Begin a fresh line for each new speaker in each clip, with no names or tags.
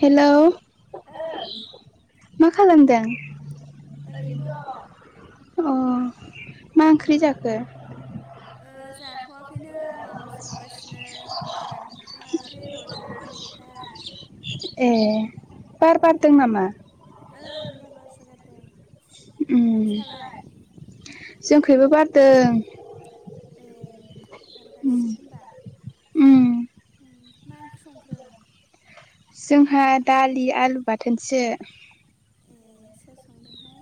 Hello
ओं
मा खालामदों? [inaudible]
ओरैनो दं
अ मा ओंख्रि जाखो?
ओ
[inaudible]
जाथ'वाखैनो माबा संगासिनो खान्थाल बेगरजों मैथा।
ए बार
ओ
बारदों नामा?
ओं बार बारसो गारदों।
उम
नोंसालाय
जोंखैबो बारदों।
ए
उम
बारगासिनो होमबा?
उम
उम मा ओंख्रि संखो?
जोंहा दालि, आलु बाथोनसो।
ए सोर संदोंहाय?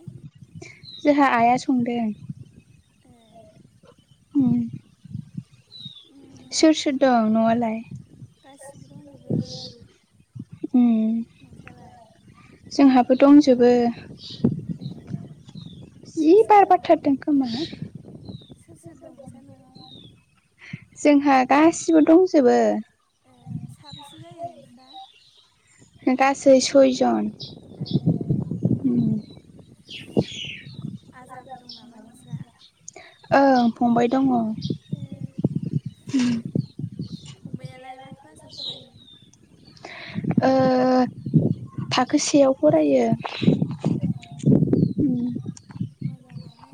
जोंहा आइआ संदों।
ए
उम
उम
सोर सोर दं न'आवलाय?
गासिबो दंजोबो
उम
नोंसालाय
जोंहाबो दंजोबो।
ए सोर
जि
सोर
बार
दं
बारथारदों खोमा हा
सोर सोर दं नोंसा नवाव?
जोंहा गासिबो दंजोबो।
ए साबेसे जायो नोंस्रा?
गासै सयजन अ
ए
ओम
आजाबो दं नामा नोंस्रा?
ओं फंबाय दङ उम
ए फंबाइ आलाय मा क्लास
[inaudible] ओ थाखो सेयाव फरायो।
ए
उम
मोजाङानो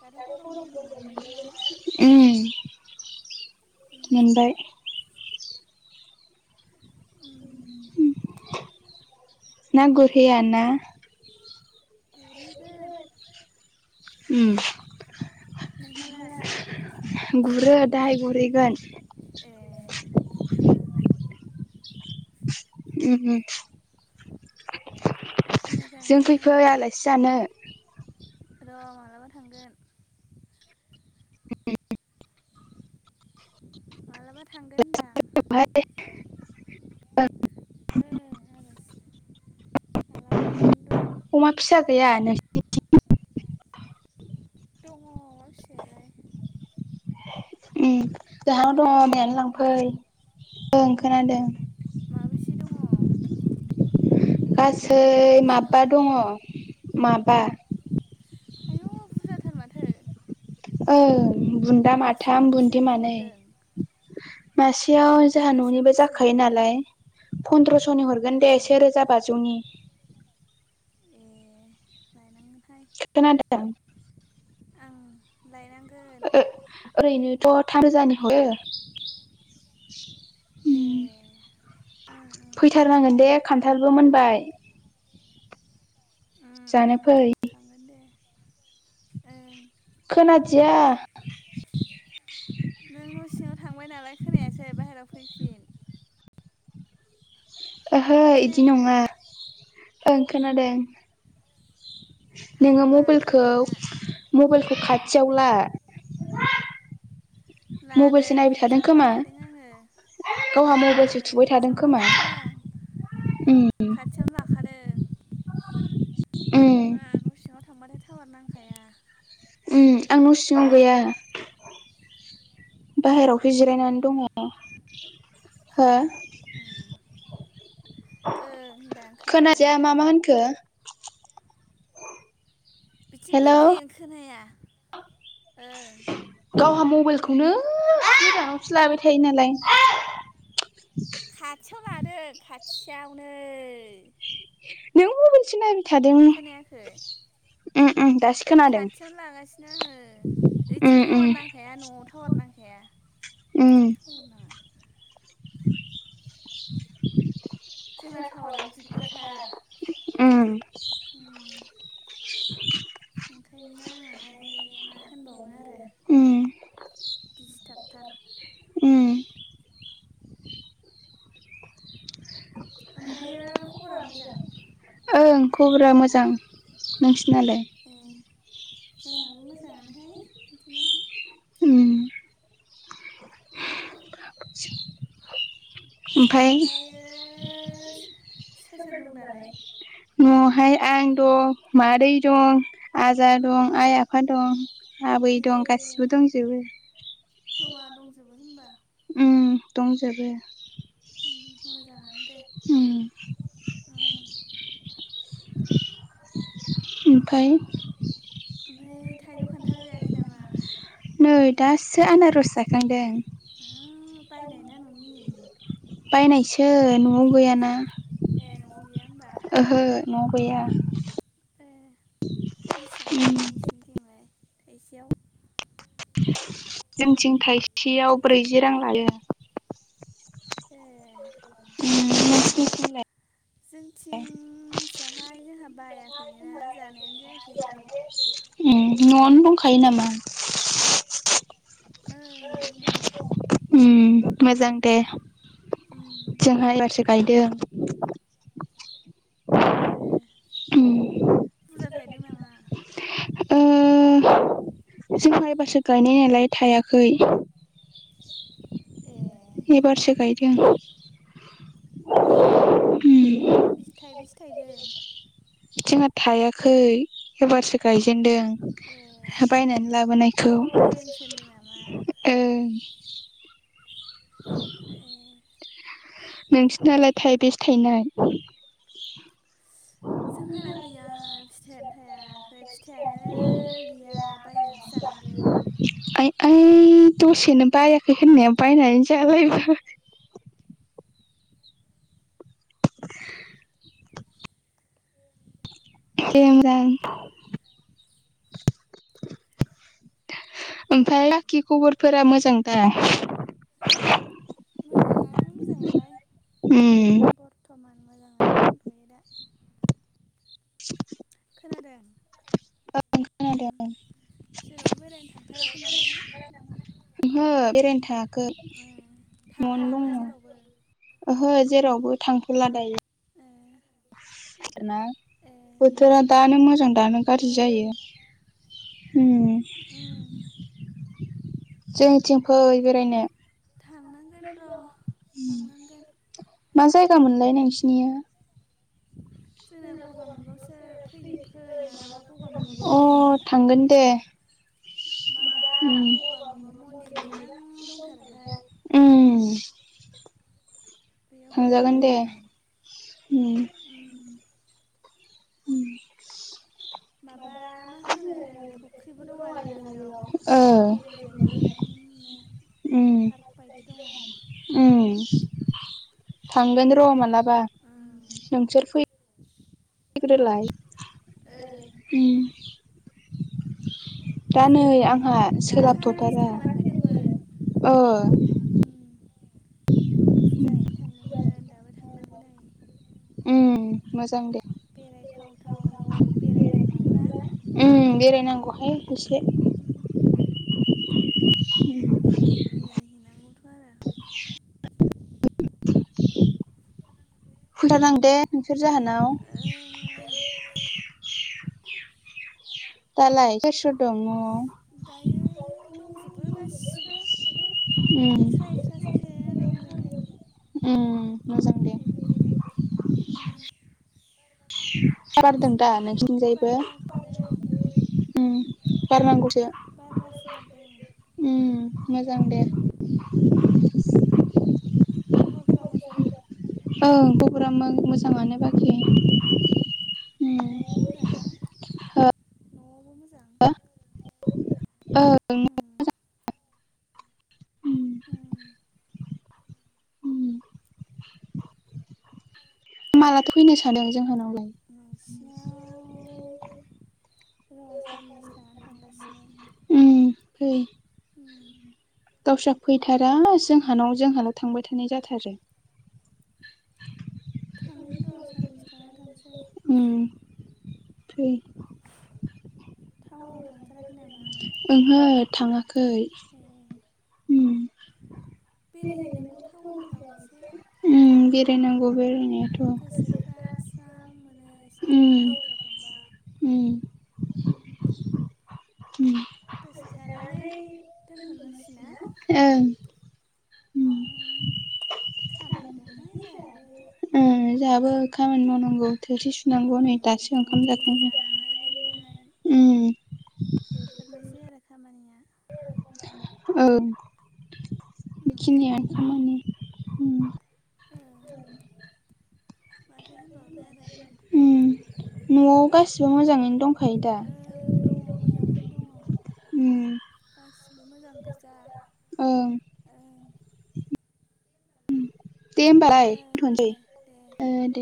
दाथ' गरम बन्द' मोनबाय बेना
उम
उम
मोनबाय
उम
ना गुरहैया ना?
गुरहैगोन
उम नों
नोंहालाय?
हालाय गुरो दाहाय गुरहैगोन। [inaudible]
ए ओं
उम जोंखै
मोजाङानो
फै आलासि सि जानो।
र' मालाबा थांगोन। माब्लाबा थां
[unintelligible]
ओं
[inaudible]
आरो मालाबा थांगोन र'
अमा फिसा गैया नोंसिनिथिं?
[inaudible]
ओम जाहाव
खोनायाखै?
दङ [unintelligible] लांफै ओं खोनादों।
माबेैसे दङ?
गासै
माबैसे
माबा
दं?
दङ माबा।
एथ' बुरजाथार माथो।
औ बुन्दा
मासेयाव
माथाम बुन्दि
बेसेबांनि
मानै
हरदों?
मसे खाथियाव जोंहा
मासेयाव
न'निबो
बेसेबां?
जाखायो नालाय फन्द्रस'नि हरगोन दे
ओं
से रोजा बाजौनि।
ए लायनांगोनहाय
खोनादों?
आं लायनांगोन
ओरैनोथ' थाम रोजानि हरो।
ए
उम
ओं ओं ओं
फैथारनांगोन दे खान्थालबो मोनबाय।
ओं
जानो
ओं
फै।
थांगोन दे ओं
खोनादिया।
नों न' सिङाव थांबाय नालाय खोनायासै बाहेरायाव फैफिन।
ओहो बिदि
खोनायाखै
नङा ओं खोनादों। नोङो
टावार नाङाखै
मबाइलखौ
नोंना
मबाइलखौ खाथियाव ला। मबाइलसो
लादों
नायबाय थादों
खाथियावनो
खोमा
लाखादों आङो।
गावहा मबाइलसो
नायाखै
थुबाय थादों
खाथियावनो
खोमा
लाखादों आं।
उम
खाथियावनो लाखादों।
उम
सिङाव थांबथाय टावार नांखाया।
ओ आं न' सिङाव गैया। बाहेरावसो
अबावथो
जिरायनानै दङ हो
उम ओं दां खोनादों
खोनासै आं मा मा होनखो?
बिथिं
हेलौ
फैफिन खोनाया ओ।
गावहा मबाइलखौनो गोजानावसो लाबाय थायो नालाय।
खाथियाव लादों खाथियावनो।
नों मबाइलसो नायबायथादों
खोनायाखै खाथियावनो लागासिनो आङो
उम
ओइथिं
उम
टावार नांखाया न'आव टावार नांखाया।
उम
[inaudible] जोंना टावारानो दिगदारथार
[inaudible] उम
उम ओंखायनो नांआहाय मा होनबानो आरो
उम
दिस्टाबटार
उम
[unintelligible] खबरा मोजां
ओं खबरा मोजां नोंसिनालाय?
जोंहाबो मोजाङानोहाय बिदिनो
उम ओमफ्राय?
ओमफ्रायो [inaudible] दं दालाय
[inaudible] न'आवहाय आं दं मादै दं आजा दं आइ आफा दं। आबै
ए
दं गासिबो दंजोबो।
जमा दंजोबो होमबा
दंजोबो
मोजाङानो दे।
उ
उम
ओमफाय?
ओमफ्राय थाइज' खान्थाल जायाखै नामा?
नै दासो आनारस जाखांदों।
[inaudible]
बायनायसो न'आव गैयाना
ए न'आव गैया होमबा
ओहो न'आव गैया
ए बेसेबां
उम
लायो नोंसिनिथिंलाय थाइसेयाव?
जोंथिं थायसेयाव ब्रैजि रां लायो। [inaudible]
ए
[inaudible]
जोंथिं मिथियाहाय जोंहा बायाखैनोना जानायानो जायाखै
न'आवनो दंखायो नामा?
ओं न'आवनो दं
मोजां दे
उम
जोंहा एबारसो गायदों।
ए
[inaudible]
[inaudible]
ओ जोंहा एबारसो गायनाय नालाय थायाखै
ए
एबारसो गायदों
ओं बेसे थाइबेसे थायदों
[inaudible] थायाखै एबारसो गायजेनन्दों
ए
बायनानै
अ
लाबोनायखौ
बायदोंसो होनदों नामा
ओ
ए
नोंसिनालाग थायबेसे थाइनाय?
जोंहा गैया फिथाइयानो थायाखै फिथाइयानो गैया बायनानैसो जानो
[inaudible] ओइ दसेनो बायाखै होननाया बायनानै जालाय [inaudible]
ओं
ओमफ्राय बाखि खबरफोरा मोजांदा?
मोजाङानो मोजाङालाय
उम
बर्थमान मोजाङानो दंथ'यो दा खोनादों उम
[inaudible]
जेरावबो बेरायनो थांथाराखै नामाहाय?
ओहो बेरायनो थायाखै
ओ थाङा
न'आवनो दङ
नामा जेरावबो
ओहो जेरावबो थांथ'ला दायो।
ओ
हेल
ए
बोथोरा दानो मोजां दानो गाज्रि
ओं
जायो ए
उम
जोंथिं फै बेरायनो
थांनांगोन र' थांनांगोन
मा जायगा मोनलाय नोंसिनिया
जोंना गगा मुगायावसो फैदो फै मालाबा गगा मुगायाव
[unintelligible] [inaudible] अ
बेरायनो
थांगोन दे।
माबा
उम
गगा मुगा मन्दिर मोजां दंथारोहाय
उम [inaudible]
बेयाव फै
थांजागोन दे
बेरायनो। माबा मा होनो
उम।
फुख्रिबो दं आरोना बेयाव बेरायजायो
ओ
आरामनो
उम
पार्क बायदि दङ।
उम थांगोन र' मालाबा
ओं
नोंसोर फै फैग्रोलाय
ओं
उ। दा नै
जोङो
आंहा
दाखालिसो
सोलाबथथारा
थांना फैदोंमोन
ओ।
उम फुजा हैैनो थांदोंमोन दाबो थांनांगौ नै।
उम मोजां दे
बेरायथाव थाव बेरायनो थांनांगौ ना?
उम बेरायनांगौहाय एसे। [inaudible]
उम बेरायहैनांगौथ' आरो
फैथारनांगोन दे नोंसोर जोहानाव। दालाय सोर सोर दं न'आव?
दायो दंजोबो गासिबो।
उम
एक्सट्रा एक्सट्रासो जिरायना दं
उ
जोङो।
मोजां दे।
बेलेग बेलेग उम
बारदों
जि
दा नोंसिनिथिंजायबो
बार बारखादों
उ बारनां गौसो
बार बारसो गारदों
उ मोजां दे।
उम खबरफ्रा मोजां।
औ खबरा मो-मोजाङानो बाखि।
उम
उ
न'आवबो मोजां ना
ओ
न'आवबो मोजां उम
[inaudible] उ
उम
मालाथो फैनो सानदों जोंहानावलाय?
नोंसिनाव र' साननैसो थानानै थांगासिनो।
उम फै
उम
दाउ जा फैथारा जोंहानाव जोंहाल' थांबाय थानाय जाथारो।
थांगोन र' साननैसो थानानै
उम
थांसै।
फै
टाउनाव थांथाराखै नामा
ओंहो थाङाखै।
ए
उ
बेरायहैनांगौ टाउनफ्राव एसे।
उम [unintelligible]
गोसोफ्रा स्रां मोनो एसे
उम
टाउनफ्राव थांबा।
उम
उम
उम
दसे थानानै दोनथ'नोसैना?
उ
खामानि दंहाय जोहाबो।
उ जोहाबो खामानि मावनांगौ थोरसि सुनांगौ नै
उम
दासो ओंखाम
न'नि जानाय लोंनाय
जाखांदों। ओम।
बेफोरनोसै आरो खामानिया।
ओं।
उम
बेखिनियानो खामानि ओम।
ओं
[inaudible]
माथो होनबावनो आरो।
उम न'आव गासिबो मोजाङैनो दंखायो दा?
ओं दङ मोजाङैनो दङ
ओम।
गासिबो मोजां गोजा ओं।
दे होमबालाय
ओं
दथ'नोसै
दे दे
ओ दे।